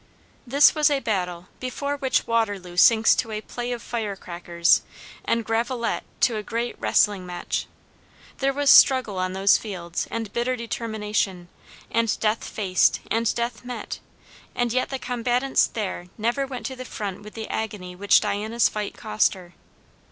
This was a battle before which Waterloo sinks to a play of fire crackers and Gravelotte to a great wrestling match. There was struggle on those fields, and bitter determination, and death faced and death met; and yet the combatants there never went to the front with the agony which Diana's fight cost her.